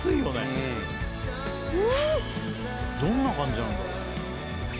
どんな感じなんだろう。